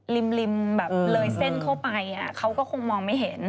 ริมแบบเลยเส้นเข้าไปเขาก็คงมองไม่เห็น